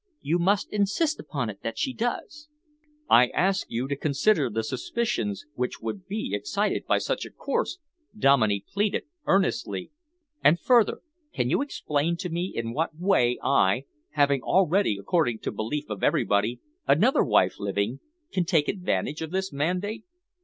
"You must insist upon it that she does." "I ask you to consider the suspicions which would be excited by such a course," Dominey pleaded earnestly, "and further, can you explain to me in what way I, having already, according to belief of everybody, another wife living, can take advantage of this mandate?"